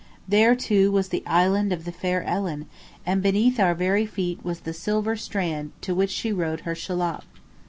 There, too, was the island of the fair Ellen, and beneath our very feet was the "silver strand" to which she rowed her shallop.